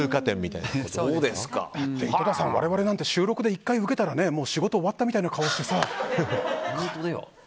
井戸田さん、我々なんて収録で１回ウケたら仕事終わったみたいな顔してさ。